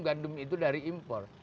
gandum itu dari impor